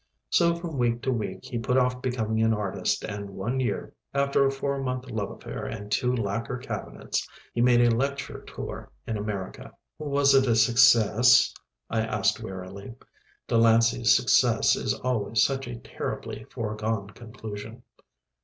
So from week to week he put off becoming an artist and one year (after a four month love affair and two lacquer cabinets) he made a lecture tour in America. "Was it a success?" I asked wearily (Delancey's success is always such a terribly foregone conclusion).